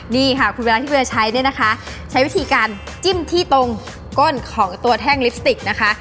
นี่ค่ะคุณเวลาที่เวียใช้เนี่ยนะคะใช้วิธีการจิ้มที่ตรงก้นของตัวแท่งลิปสติกนะคะ